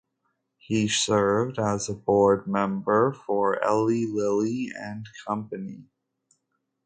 He served as a board member for Eli Lilly and Company.